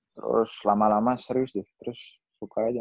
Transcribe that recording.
terus lama lama serius terus suka aja